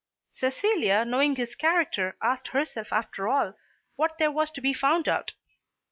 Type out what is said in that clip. Cecilia knowing his character asked herself after all what there was to be found out.